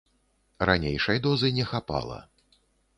Ранейшай дозы не хапала.